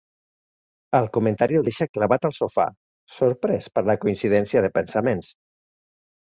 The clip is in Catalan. El comentari el deixa clavat al sofà, sorprès per la coincidència de pensaments.